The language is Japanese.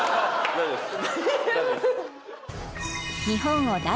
大丈夫です